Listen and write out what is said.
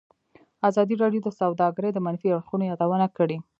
ازادي راډیو د سوداګري د منفي اړخونو یادونه کړې.